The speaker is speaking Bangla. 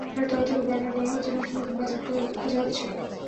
সরকারের তরফ থেকে বারবার বলা হচ্ছে, নতুন নতুন বাজার খোঁজা হচ্ছে।